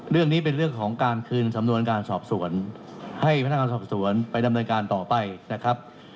เรื่องนี้เป็นเรื่องของการคืนสำนวนการสอบสวนให้พนักงานสอบสวนไปดำเนินการต่อไปนะครับ